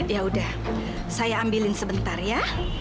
yaudah saya ambilin sebentar ya